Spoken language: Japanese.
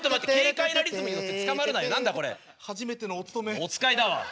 「おつかい」だわ。